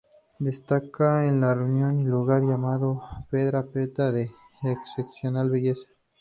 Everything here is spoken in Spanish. Destaca en la región un lugar llamado "Pedra Preta", de excepcional belleza.